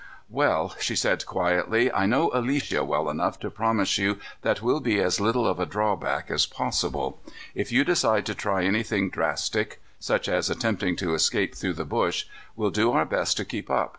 "Well," she said quietly, "I know Alicia well enough to promise you that we'll be as little of a drawback as possible. If you decide to try anything drastic, such as attempting to escape through the bush, we'll do our best to keep up.